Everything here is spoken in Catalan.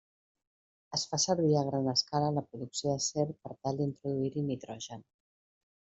Es fa servir a gran escala en la producció d'acer per tal d'introduir-hi nitrogen.